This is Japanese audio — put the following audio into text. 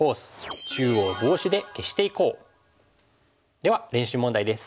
では練習問題です。